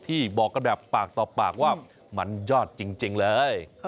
บอกกันแบบปากต่อปากว่ามันยอดจริงเลย